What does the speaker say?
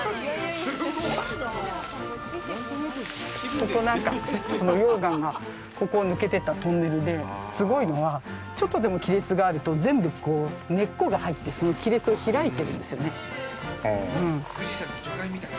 ここなんか、溶岩がここを抜けていったトンネルですごいのは、ちょっとでも亀裂があると全部、根っこが入ってその亀裂を開いているんですよね。